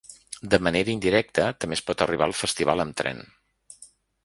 De manera indirecta, també es pot arribar al festival amb tren.